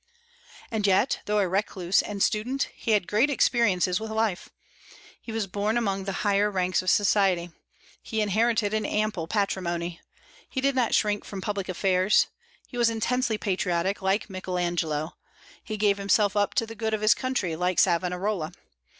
And yet, though a recluse and student, he had great experiences with life. He was born among the higher ranks of society. He inherited an ample patrimony. He did not shrink from public affairs. He was intensely patriotic, like Michael Angelo; he gave himself up to the good of his country, like Savonarola.